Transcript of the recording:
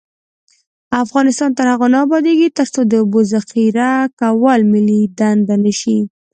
افغانستان تر هغو نه ابادیږي، ترڅو د اوبو ذخیره کول ملي دنده نشي.